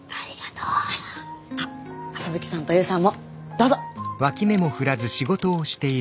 あっ麻吹さんと勇さんもどうぞ。